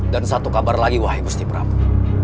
dan satu kabar lagi wahai gusti prabu